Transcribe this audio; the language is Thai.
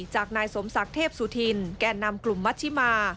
จากนายสมศักดิ์เทพสุธินแก่นำกลุ่มมัชชิมา